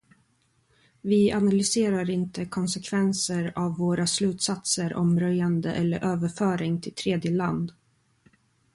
Vi analyserar inte konsekvenser av våra slutsatser om röjande eller överföring till tredje land.